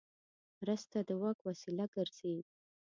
مرسته د واک وسیله ګرځي.